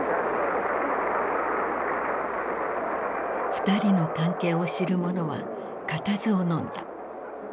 二人の関係を知る者は固唾をのんだ。